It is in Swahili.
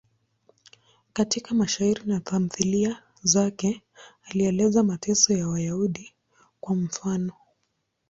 Katika mashairi na tamthiliya zake alieleza mateso ya Wayahudi, kwa mfano.